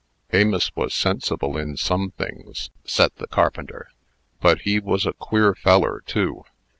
"Amos was sensible in some things," said the carpenter. "But he was a queer feller, too.